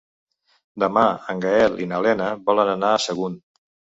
Demà en Gaël i na Lena volen anar a Sagunt.